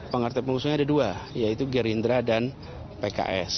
partai pengusungnya ada dua yaitu gerindra dan pks